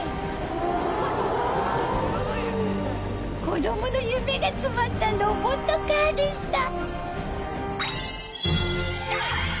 子どもの夢が詰まったロボットカーでした。